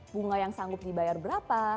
bunga yang sanggup dibayar berapa